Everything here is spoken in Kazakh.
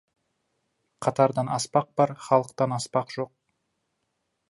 Қатардан аспақ бар, халықтан аспақ жоқ.